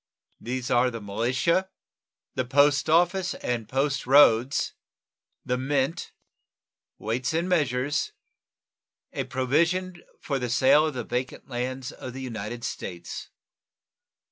These are the militia, the post office and post roads, the mint, weights and measures, a provision for the sale of the vacant lands of the United States.